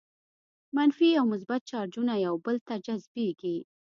منفي او مثبت چارجونه یو بل ته جذبیږي.